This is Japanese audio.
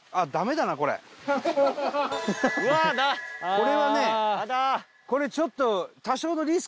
これはねこれちょっと。